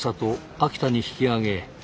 秋田に引き揚げ